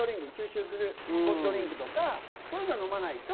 スポーツドリンクとか、そういうのを飲まないと。